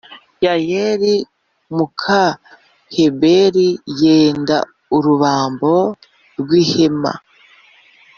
Yayeli Muka Heberi Yenda Urubambo Rw Ihema